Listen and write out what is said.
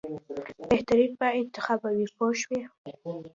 بهترین ما انتخابوي پوه شوې!.